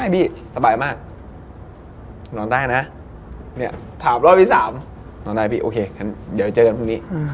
ผมก็แน่เข้าไปดู